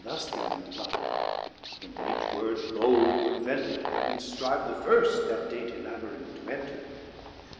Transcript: Thus gan reply, when each word bold would venter. And ftrive the firft that dainty labyrinth to enter.